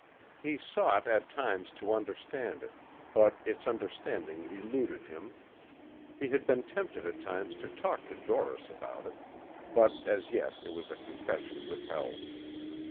He sought at times to understand it but its understanding eluded him. He had been tempted at times to talk to Doris about it. But as yet it was a confession withheld.